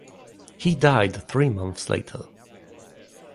He died three months later.